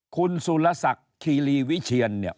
คุณสุรศักดิ์คีรีวิเชียนเนี่ย